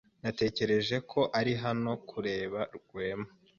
Natekereje ko uri hano kureba Rwema.